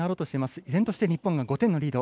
依然として日本は５点のリード。